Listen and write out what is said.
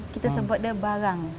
kita sebut dia barang